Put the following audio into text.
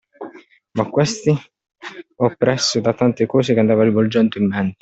Ma questi oppresso da tante cose che andava rivolgendo in mente